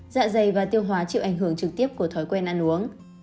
dạ dày và tiêu hóa chịu ảnh hưởng trực tiếp của thói quen ăn uống